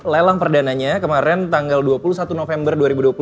lelang perdananya kemarin tanggal dua puluh satu november dua ribu dua puluh